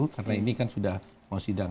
karena ini kan sudah mau sidang